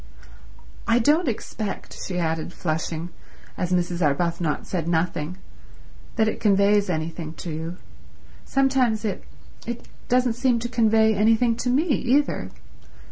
"I don't expect," she added, flushing, as Mrs. Arbuthnot said nothing, "that it conveys anything to you. Sometimes it—it doesn't seem to convey anything to me either.